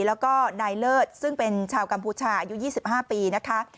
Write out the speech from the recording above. แล้วก็นายเลิศซึ่งเป็นชาวกัมพูชาอายุ๒๕ปีนะคะ